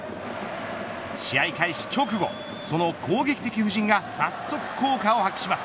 試合開始直後その攻撃的布陣が早速効果を発揮します。